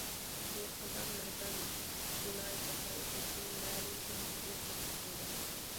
يېقىندا مەردان جىنايى جازا ئۆتەش ئۈچۈن مەلۇم تۈرمىگە يۆتكەپ كېتىلدى.